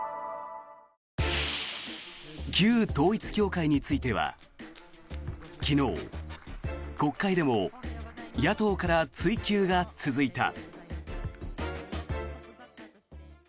旧統一教会については昨日、国会でも野党から追及が続いた。